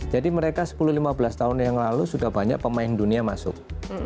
mereka sepuluh lima belas tahun yang lalu sudah banyak pemain dunia masuk